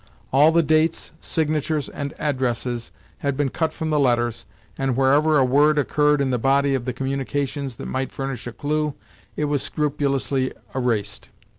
All the dates, signatures, and addresses had been cut from the letters, and wherever a word occurred in the body of the communications that might furnish a clue, it was scrupulously erased.